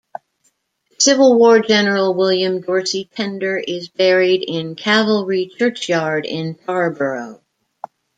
Civil War general William Dorsey Pender is buried in Calvary Churchyard in Tarboro.